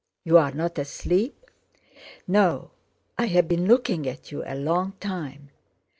"You are not asleep?" "No, I have been looking at you a long time.